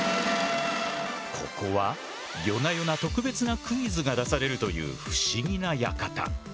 ここは夜な夜な特別なクイズが出されるという不思議な館。